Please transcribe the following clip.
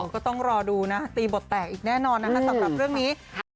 ก็ต้องรอดูนะตีบทแตกอีกแน่นอนนะคะสำหรับเรื่องนี้